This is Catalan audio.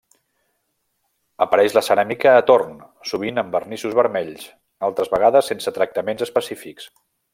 Apareix la ceràmica a torn, sovint amb vernissos vermells, altres vegades sense tractaments específics.